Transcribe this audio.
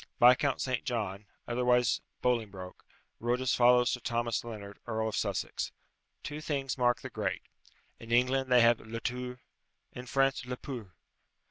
Viscount St. John, otherwise Bolingbroke, wrote as follows to Thomas Lennard, Earl of Sussex: "Two things mark the great in England, they have le tour; in France, le pour."